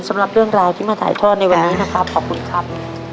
สำหรับเรื่องราวที่มาถ่ายทอดในวันนี้นะครับขอบคุณครับ